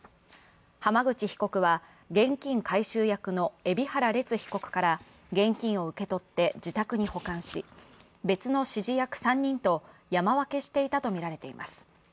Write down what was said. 浜口被告は現金回収役の海老原列被告から現金を受け取って自宅に保管し別の指示役３人と山分けしていたとみられています。